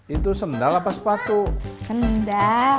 itu sendal apa sepatu senda